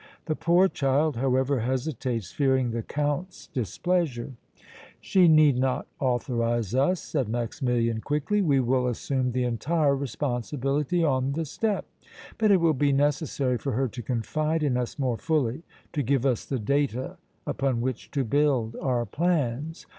The poor child, however, hesitates, fearing the Count's displeasure." "She need not authorize us," said Maximilian quickly. "We will assume the entire responsibility on the step! But it will be necessary for her to confide in us more fully, to give us the data upon which to build our plans.